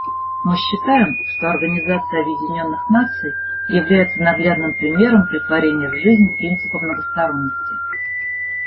Мы считаем, что Организация Объединенных Наций является наглядным примером претворения в жизнь принципа многосторонности.